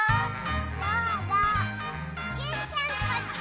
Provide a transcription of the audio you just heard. どうぞジュンちゃんこっち！